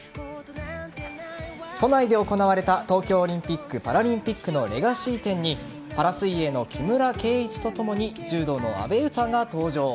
都内で行われた東京オリンピック・パラリンピックのレガシー展にパラ水泳の木村敬一とともに柔道の阿部詩が登場。